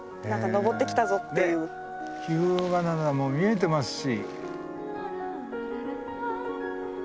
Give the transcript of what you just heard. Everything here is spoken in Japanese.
日向灘も見えてますし。